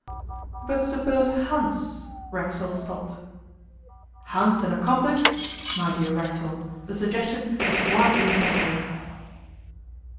'But suppose Hans ' Racksole stopped. 'Hans an accomplice! My dear Racksole, the suggestion is wildly impossible.